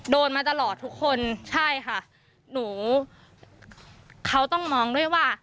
โดนมาตลอดทุกคนใช่ค่ะหนูเขาต้องมองด้วยว่า